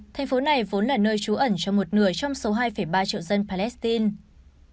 thành phố này vốn là nơi trú ẩn cho một nửa trong số hai ba triệu dân palestine